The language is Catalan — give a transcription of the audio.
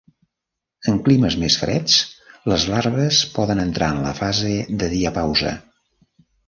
En climes més freds, les larves poden entrar en la fase de diapausa.